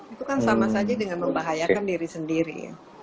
itu kan sama saja dengan membahayakan diri sendiri